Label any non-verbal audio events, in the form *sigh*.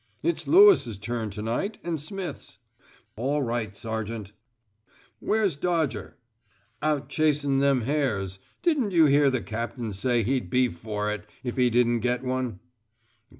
"It's Lewis's turn to night, and Smith's." "All right, sergeant." "Gr r r". *unintelligible* "Where's Dodger?" "Out chasing them hares. Didn't you hear the Captain say he'd be for it, if he didn't get one?"